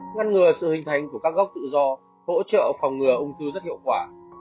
ngăn ngừa sự hình thành của các gốc tự do hỗ trợ phòng ngừa ung thư rất hiệu quả